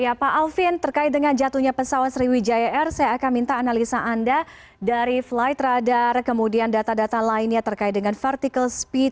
ya pak alvin terkait dengan jatuhnya pesawat sriwijaya air saya akan minta analisa anda dari flight radar kemudian data data lainnya terkait dengan vertical speed